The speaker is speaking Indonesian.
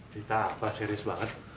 berita apa serius banget